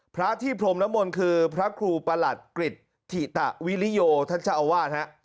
พระที่พรมนมลคือพระครูประหลัดกริจถิตวิริโยท่านเจ้าอาวาสฮะ